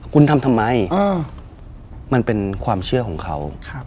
คุณทำทำไมมันเป็นความเชื่อของเขา